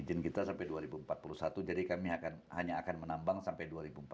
izin kita sampai dua ribu empat puluh satu jadi kami hanya akan menambang sampai dua ribu empat puluh lima